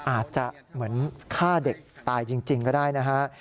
อาจจะเหมือนฆ่าเด็กตายจริงก็ได้นะฮะ